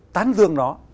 tán dương nó